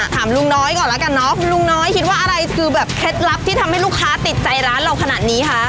ถามลุงน้อยก่อนแล้วกันเนาะคุณลุงน้อยคิดว่าอะไรคือแบบเคล็ดลับที่ทำให้ลูกค้าติดใจร้านเราขนาดนี้คะ